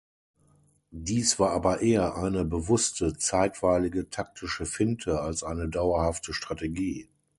Dies war aber eher eine bewusste, zeitweilige taktische Finte, als eine dauerhafte Strategie.